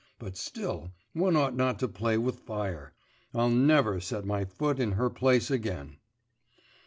But still one ought not to play with fire.... I'll never set my foot in her place again.